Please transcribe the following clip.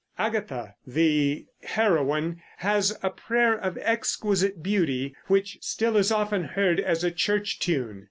Agatha, the heroine, has a prayer of exquisite beauty, which still is often heard as a church tune.